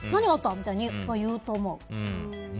みたいに言うと思う。